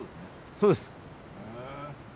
そうです。